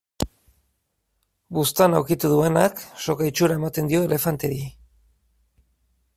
Buztana ukitu duenak, soka itxura ematen dio elefanteari.